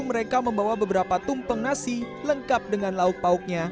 mereka membawa beberapa tumpeng nasi lengkap dengan lauk pauknya